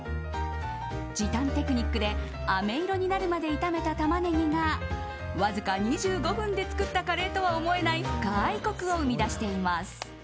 時短テクニックであめ色になるまで炒めたタマネギがわずか２５分で作ったカレーとは思えない深いコクを生み出しています。